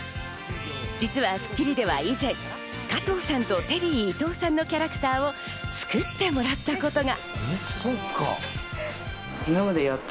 実は『スッキリ』では以前、加藤さんとテリー伊藤さんのキャラクターを作ってもらったことが。